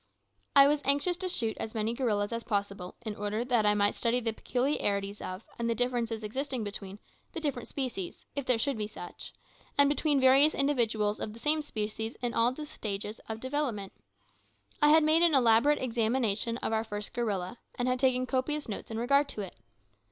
I was anxious to shoot as many gorillas as possible, in order that I might study the peculiarities of, and differences existing between, the different species if there should be such and between various individuals of the same species in all stages of development. I had made an elaborate examination of our first gorilla, and had taken copious notes in regard to it.